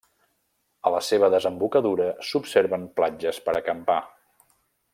A la seva desembocadura s'observen platges per acampar.